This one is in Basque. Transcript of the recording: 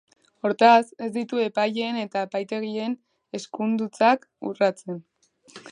Hortaz, ez ditu epaileen eta epaitegien eskuduntzak urratzen.